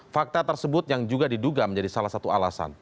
fakta tersebut yang juga diduga menjadi salah satu alasan